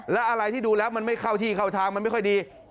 และอะไรที่ดูแล้วมันไม่เข้าที่เข้าทางมันไม่ค่อยดี